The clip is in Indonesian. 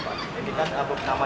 ini kan apa